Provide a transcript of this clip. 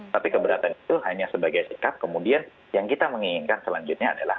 tapi keberatan itu hanya sebagai sikap kemudian yang kita menginginkan selanjutnya adalah